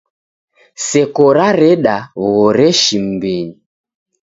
Seko rareda w'uhoreshi m'mbinyi.